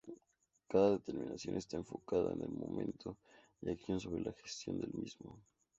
Cada determinación está enfocada en el momento de acción sobre la gestión del mismo.